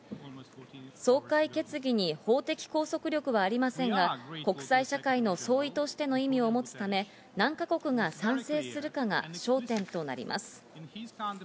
総会決議に法的拘束力はありませんが、国際社会の総意としての意味を持つため、何か国が賛成するかが焦点となります。